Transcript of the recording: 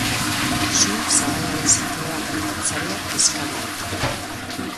Suak sabaiaren zati bat eta altzariak kiskali ditu.